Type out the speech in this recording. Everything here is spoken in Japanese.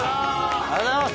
ありがとうございます！